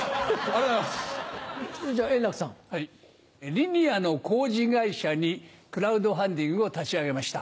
リニアの工事会社にクラウドファンディングを立ち上げました。